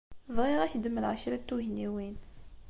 Bɣiɣ ad ak-d-mleɣ kra n tugniwin.